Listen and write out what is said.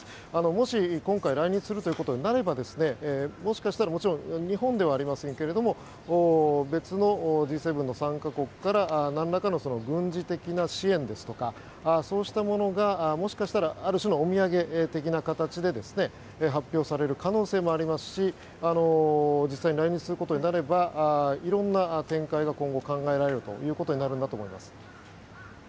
もし、今回来日することになればもしかしたら日本ではありませんが別のＧ７の参加国から何らかの軍事的な支援ですとかそうしたものがある種のお土産的な形でもしかしたら発表される可能性もありますし実際に来日することになればいろんな展開が今後、考えられることになるんだと思います。